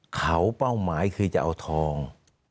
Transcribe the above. เขาเป้าหมายคือจะเอาทอง